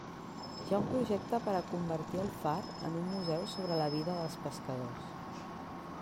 Hi ha un projecte per a convertir el far en un museu sobre la vida dels pescadors.